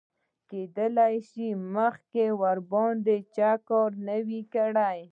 کیدای شي چې مخکې ورباندې چا کار نه وي کړی.